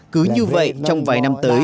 cứ như vậy trong vài năm tới